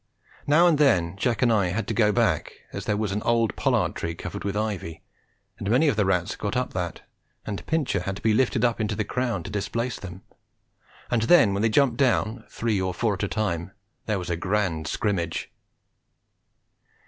Now and then, Jack and I had to go back, as there was an old pollard tree covered with ivy, and many of the rats got up that, and Pincher had to be lifted up into the crown to displace them, and then when they jumped down, three or four at a time, there was a grand scrimmage.